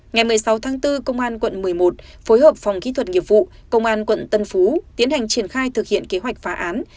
ngày một mươi sáu tháng bốn công an quận một mươi một phối hợp phòng kỹ thuật nghiệp vụ công an quận tân phú tiến hành triển khai thực hiện kế hoạch phá án